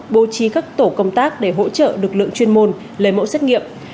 bố trí các tổ công tác để hỗ trợ lực lượng chuyên môn lấy mẫu xét nghiệm